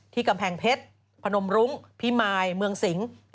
กำแพงเพชรพนมรุ้งพิมายเมืองสิง